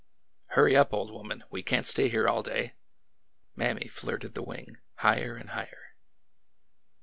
" Hurry up, old woman ! We can't stay here all day! Mammy flirted the wing higher and higher.